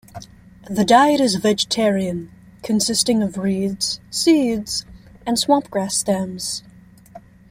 The diet is vegetarian; consisting of reeds, seeds and swamp grass stems.